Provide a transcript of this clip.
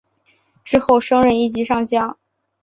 之后升任一级上将。